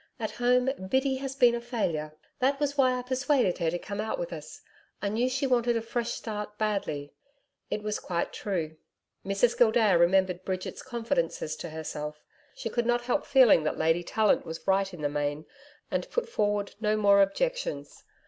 'At home, Biddy has been a failure. That was why I persuaded her to come out with us. I knew she wanted a fresh start badly.' It was quite true. Mrs Gildea remembered Bridget's confidences to herself. She could not help feeling that Lady Tallant was right in the main, and put forward no more objections.